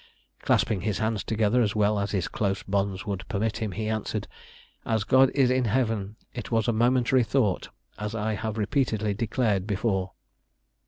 clasping his hands together as well as his close bonds would permit him, he answered, "As God is in heaven it was a momentary thought, as I have repeatedly declared before."